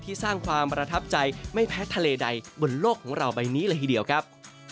สร้างความประทับใจไม่แพ้ทะเลใดบนโลกของเราใบนี้เลยทีเดียวครับ